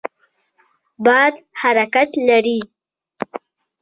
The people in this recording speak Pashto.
باد حرکت لري.